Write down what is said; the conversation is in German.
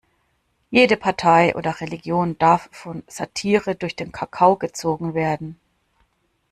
Jede Partei oder Religion darf von Satire durch den Kakao gezogen werden.